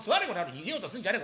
逃げようとすんじゃねえ